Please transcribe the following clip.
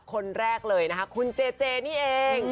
คนแรกเลยนะคะคุณเจเจนี่เอง